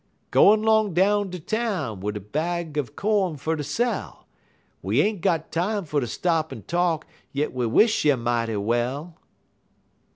"'_Gwine 'long down ter town, Wid a bag er co'n fer ter sell; We ain't got time fer ter stop en talk, Yit we wish you mighty well!